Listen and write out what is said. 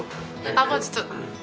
あっもうちょっと。